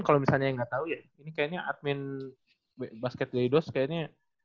kalau misalnya yang nggak tahu ya ini kayaknya admin basketball daily dose kayaknya